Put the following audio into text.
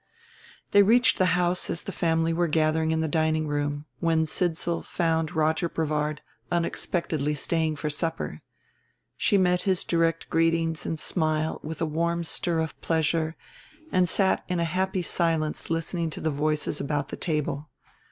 They reached the house as the family were gathering in the dining room, when Sidsall found Roger Brevard unexpectedly staying for supper. She met his direct greeting and smile with a warm stir of pleasure and sat in a happy silence listening to the voices about the table.